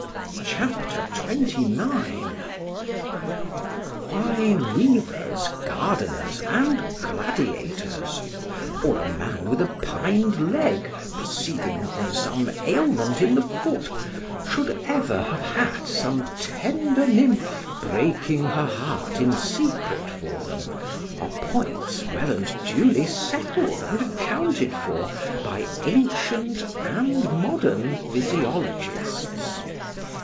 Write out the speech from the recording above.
C H A P. XXIX WHY weavers, gardeners, and gladiators—or a man with a pined leg (proceeding from some ailment in the foot)—should ever have had some tender nymph breaking her heart in secret for them, are points well and duly settled and accounted for, by ancient and modern physiologists.